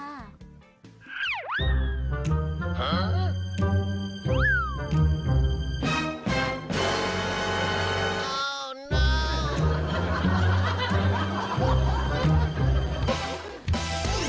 หื้อ